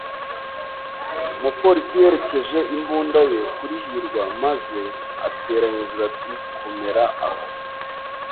Umupolisi yerekeje imbunda ye kuri hirwa maze atera hejuru ati: "Komera aho!"